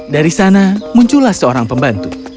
dari sana muncullah seorang pembantu